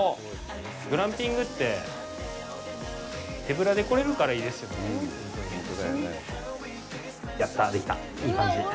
グランピングって手ぶらで来れるからいいですよね、ほんとに。